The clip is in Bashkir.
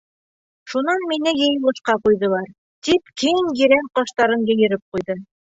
Шунан мине йыйылышҡа ҡуйҙылар. — тип киң ерән ҡаштарын йыйырып ҡуйҙы.